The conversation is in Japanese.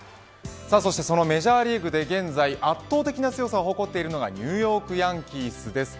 メジャーリーグで現在圧倒的な強さを誇っているのがニューヨーク・ヤンキースです。